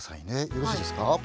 よろしいですか？